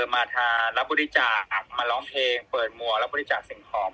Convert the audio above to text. มารับบริจาคมาร้องเพลงเปิดมัวรับบริจาคสิ่งของ